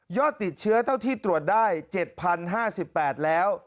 ติดเชื้อเท่าที่ตรวจได้๗๐๕๘แล้ว